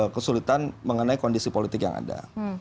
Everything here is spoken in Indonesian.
kesulitan mengenai kondisi politik yang ada